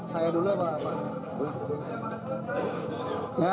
saya dulu ya pak